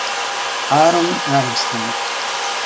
Aaron Armstrong